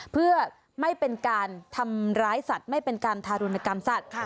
เพื่อไม่เป็นการทำร้ายสัตว์ไม่เป็นการทารุณกรรมสัตว์